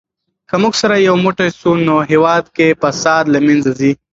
که موږ سره یو موټی سو نو هېواد کې فساد له منځه ځي.